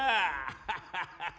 ハハハハ。